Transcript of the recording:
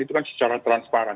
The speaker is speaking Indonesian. itu kan secara transparan